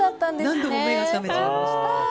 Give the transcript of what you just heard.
何度も目が覚めちゃいました。